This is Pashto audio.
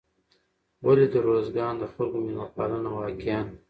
ولې د روزګان د خلکو میلمه پالنه واقعا